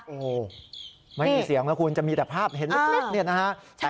โอ้โหไม่มีเสียงนะคุณจะมีแต่ภาพเห็นเล็กเนี่ยนะฮะ